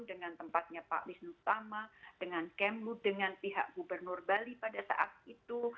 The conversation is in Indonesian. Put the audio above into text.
dengan tempatnya pak wisnu tama dengan kemlu dengan pihak gubernur bali pada saat itu